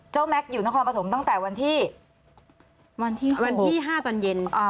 เจ้าแม็กซ์อยู่นครปฐมตั้งแต่วันที่วันที่หกวันที่ห้าตอนเย็นอ่า